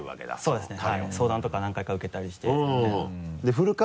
そうですね。